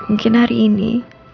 mungkin hari ini